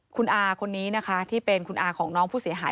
คุณอาคนนี้นะคะที่เป็นคุณอาของน้องผู้เสียหาย